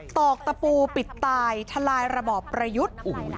ตอกตะปูปิดตายทลายระบอบประยุทธ์